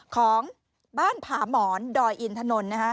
ของบ้านผาหมอนดอยอินถนน